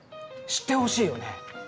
知ってほしいよね。